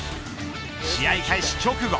試合開始直後